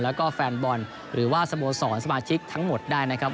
แล้วก็แฟนบอลหรือว่าสโมสรสมาชิกทั้งหมดได้นะครับ